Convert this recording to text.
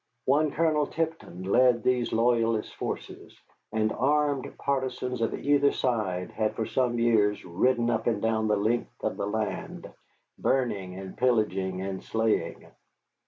One Colonel Tipton led these loyalist forces, and armed partisans of either side had for some years ridden up and down the length of the land, burning and pillaging and slaying.